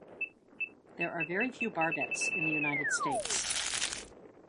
There are very few barbets in the United States.